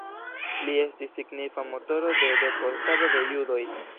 Li estis signifa motoro de deportado de judoj.